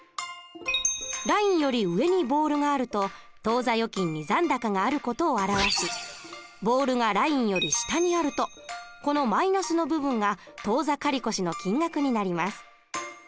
ラインより上にボールがあると当座預金に残高がある事を表しボールがラインより下にあるとこのマイナスの部分が当座借越の金額になります。